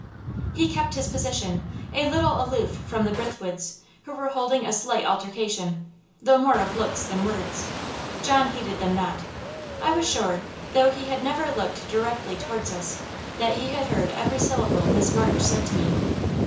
He kept his position, a little aloof from the Brithwoods, who were holding a slight altercation though more of looks than words. John heeded them not. I was sure, though he had never looked directly towards us, that he had heard every syllable Miss March said to me.